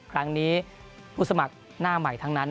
ครั้งนี้ผู้สมัครหน้าใหม่ทั้งนั้น